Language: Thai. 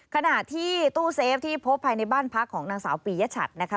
ขณะที่ตู้เซฟที่พบภายในบ้านพักของนางสาวปียชัดนะคะ